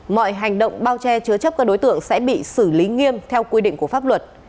mọi hành động bao che chứa chấp các đối tượng sẽ bị xử lý nghiêm theo quy định của pháp luật